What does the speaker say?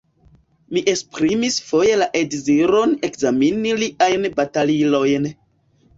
Mi esprimis foje la deziron ekzameni liajn batalilojn.